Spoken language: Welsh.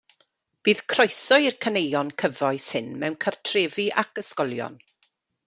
Bydd croeso i'r caneuon cyfoes hyn mewn cartrefi ac ysgolion.